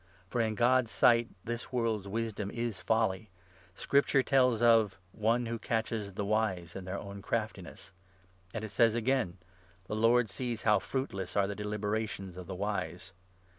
For in God's sight this 19 world's wisdom is folly. Scripture tells of —' One who catches the wise in their own craftiness,' and it says again — 20 'The Lord sees how fruitless are the deliberations of the wise.'